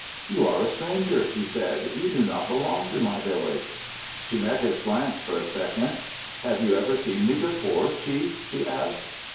"You are a stranger," he said. "You do not belong to my village." She met his glance for a second. "Have you ever seen me before, chief?" she asked.